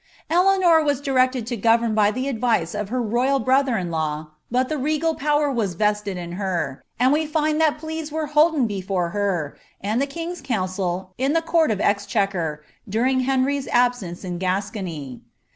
Eleanor was directed to govern by the advice of her Toyvl brother in law, but the regal power was vested in her ; and we find that pleas were holden before her, and the king's council, in the Court of Ex chequer, during Henry's absence in Grascony.